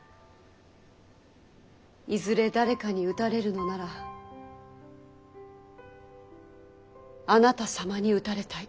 いずれ誰かに討たれるのならあなた様に討たれたい。